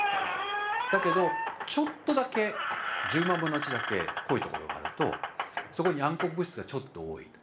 だけどちょっとだけ１０万分の１だけ濃いところがあるとそこに暗黒物質がちょっと多い。